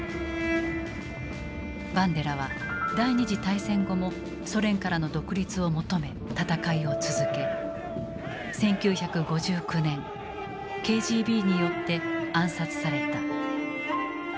バンデラは第二次大戦後もソ連からの独立を求め戦いを続け１９５９年ＫＧＢによって暗殺された。